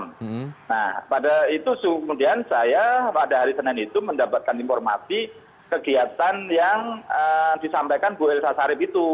nah pada itu kemudian saya pada hari senin itu mendapatkan informasi kegiatan yang disampaikan bu elsa sarif itu